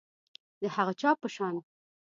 د هغه چا په شان